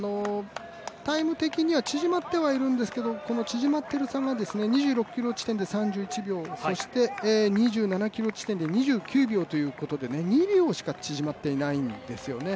タイム的には縮まってはいるんですけど縮まっている差が２６ｋｍ地点で３１秒、そして２７ｋｍ地点で２９秒というところで２秒しか縮まっていないんですよね